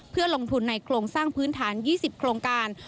เพื่อลงทุนในโครงสร้างพื้นฐาน๒๐โครงการ